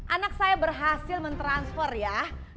anak saya berhasil mentransfer ya